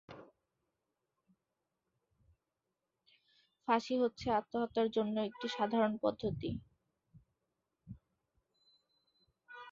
ফাঁসি হচ্ছে আত্মহত্যার জন্য একটি সাধারণ পদ্ধতি।